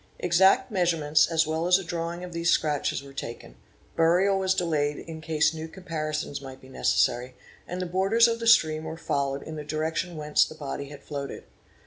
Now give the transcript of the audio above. Exact measurements as well as a drawing of these scratches were taken, burial was delayed in case new comparisons might be necessary, and the borders of the stream — were followed in the direction whence the body had floated.